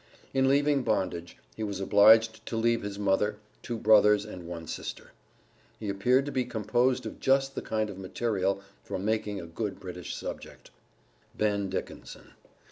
In leaving bondage, he was obliged to leave his mother, two brothers and one sister. He appeared to be composed of just the kind of material for making a good British subject. Ben Dickinson.